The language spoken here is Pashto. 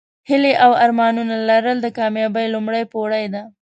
هیلې او ارمانونه لرل د کامیابۍ لومړۍ پوړۍ ده.